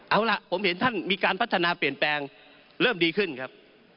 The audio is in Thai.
เอาล่ะผมเห็นท่านมีการพัฒนาเปลี่ยนแปลงเริ่มดีขึ้นครับ